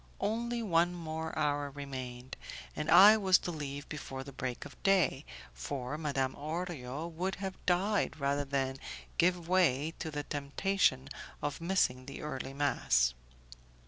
Only one more hour remained, and I was to leave before the break of day, for Madame Orio would have died rather than give way to the temptation of missing the early mass.